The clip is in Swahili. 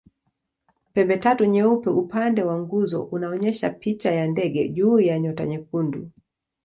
Pembetatu nyeupe upande wa nguzo unaonyesha picha ya ndege juu ya nyota nyekundu.